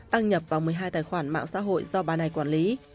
đăng nhập vào một mươi hai tài khoản mạng xã hội do bà này quản lý